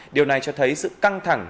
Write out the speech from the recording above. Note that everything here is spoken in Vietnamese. điều này cho thấy sự căng thẳng